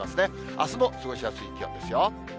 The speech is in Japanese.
あすも過ごしやすい気温ですよ。